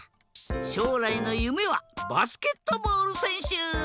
しょうらいのゆめはバスケットボールせんしゅ。